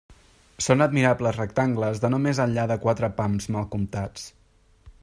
Són admirables rectangles de no més enllà de quatre pams mal comptats.